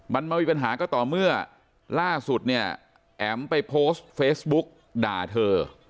มันมามีปัญหาก็ต่อเมื่อล่าสุดเนี่ยแอ๋มไปโพสต์เฟซบุ๊กด่าเธอ